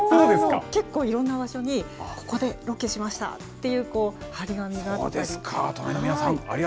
結構いろんな場所に、ここでロケしましたっていう貼り紙があったり。